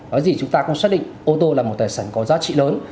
nói gì chúng ta cũng xác định ô tô là một tài sản có giá trị lớn